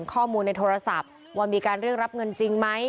ข้อมูลในโทรศัพท์ว่ามีการเรียกรับเงินจริงไหม